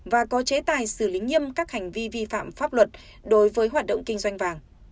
và có chế tài xử lý nghiêm các hành vi vi phạm pháp luật đối với hoạt động kinh doanh vàng